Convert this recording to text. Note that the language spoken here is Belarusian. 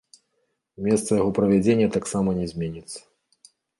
Месца яго правядзення таксама не зменіцца.